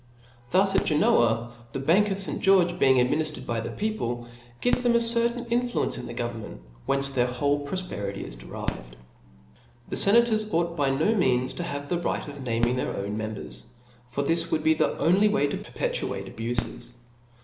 Thus at Genoa the bank of Sr. George being adminiftered by OF Laws. ^9 hf the people *, gives them a certain influence in Bp o s the government, from whence their whole profpe cbap. 3% rity is derived. The fenators ought by ho means to ha^^e a right of naming thtir t>wn members ; for this would Be the only way to perpetuate abufes.